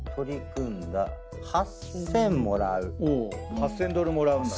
８，０００ドルもらうんだ。